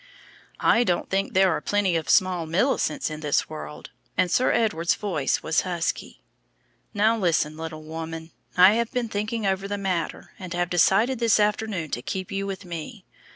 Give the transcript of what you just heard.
"I don't think there are plenty of small Millicents in this world," and Sir Edward's voice was husky. "Now listen, little woman. I have been thinking over the matter, and have decided this afternoon to keep you with me.